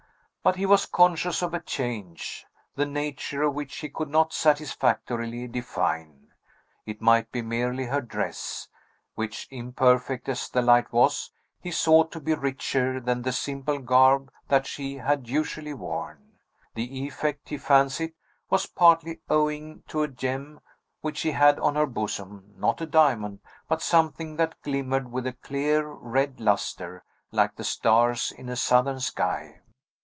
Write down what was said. But he was conscious of a change, the nature of which he could not satisfactorily define; it might be merely her dress, which, imperfect as the light was, he saw to be richer than the simple garb that she had usually worn. The effect, he fancied, was partly owing to a gem which she had on her bosom; not a diamond, but something that glimmered with a clear, red lustre, like the stars in a southern sky.